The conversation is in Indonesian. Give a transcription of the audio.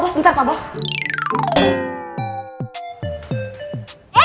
bentar pak bos bentar pak bos